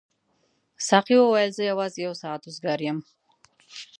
ساقي وویل زه یوازې یو ساعت وزګار یم.